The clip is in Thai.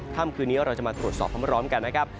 ค่ำคืนนี้เราจะมาตรวจสอบพร้อมกันนะครับ